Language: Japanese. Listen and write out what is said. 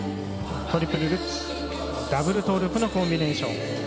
トリプルルッツダブルトーループのコンビネーション。